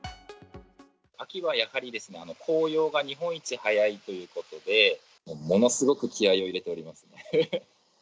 秋はやはり、紅葉が日本一早いということで、ものすごく気合いを入れております。